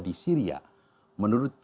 di syria menurut